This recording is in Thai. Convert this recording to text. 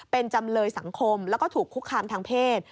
เป็นจำเลยสังคมแล้วก็ถูกคุกคามทางเพศ